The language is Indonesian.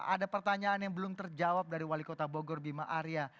ada pertanyaan yang belum terjawab dari wali kota bogor bima arya